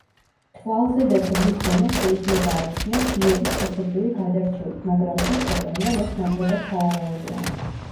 თვალზედა ძვლის ზომა შეიძლება აიხსნას ძლიერი სქესობრივი გადარჩევით, მაგრამ ფიქრობენ, რომ ეს ნაკლებად სავარაუდოა.